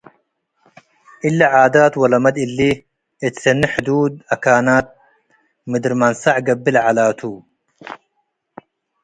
|? እሊ ዓዳት ወለመድ እሊ፡ እት ሰኒ ሕዱድ አካናት ምድር መንሰዕ ገብእ ለዐለ ቱ ።